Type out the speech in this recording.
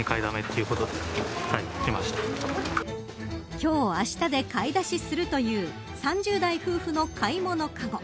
今日、あしたで買い出しするという３０代夫婦の買い物かご。